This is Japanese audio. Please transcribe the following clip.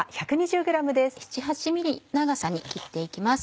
７８ｍｍ長さに切って行きます。